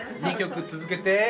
２曲続けて。